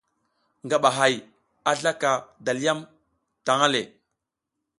Ngaba hay a zlaka dalyam tang le.